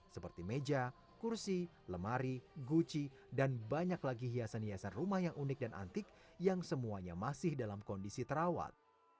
seperti meja kursi lemari guci dan banyak lagi hiasan hiasan rumah yang unik dan antik yang semuanya masih dalam kondisi terawat